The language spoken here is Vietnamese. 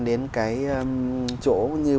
đến cái chỗ như